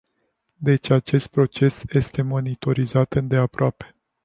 Deci acest proces este monitorizat îndeaproape.